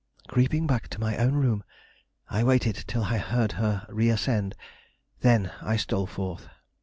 Creeping back to my own room, I waited till I heard her reascend, then I stole forth.